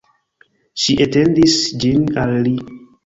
Ŝi etendis ĝin al li.